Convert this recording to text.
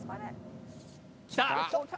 来た！